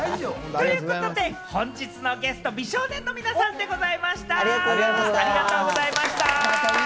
ということで本日のゲストは美少年の皆さんでございました、ありがとうございました。